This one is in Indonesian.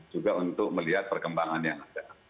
juga untuk melihat perkembangan yang ada